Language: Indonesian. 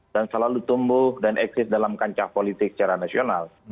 dan selalu tumbuh dan eksis dalam kancah politik secara nasional